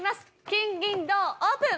金銀銅オープン！